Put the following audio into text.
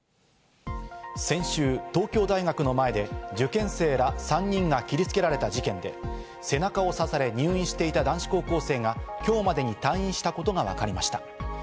先週、東京大学の前で受験生ら３人が切りつけられた事件で、背中を刺され入院していた男子高校生が今日までに退院したことがわかりました。